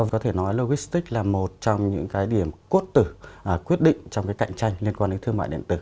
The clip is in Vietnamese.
có thể nói logistic là một trong những cái điểm cốt tử quyết định trong cái cạnh tranh liên quan đến thương mại điện tử